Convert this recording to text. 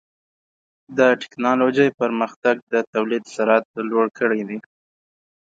د ټکنالوجۍ پرمختګ د تولید سرعت لوړ کړی دی.